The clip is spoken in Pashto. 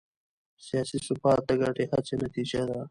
سیاسي ثبات د ګډې هڅې نتیجه ده